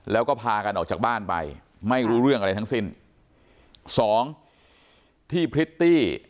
แล้วก็พากันออกจากบ้านไปไม่รู้เรื่องอะไรทั้งสิ้นสองที่พริตตี้